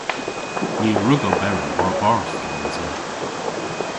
Ni a wrug oberi war-barth gansa.